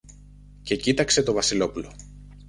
και κοίταξε το Βασιλόπουλο.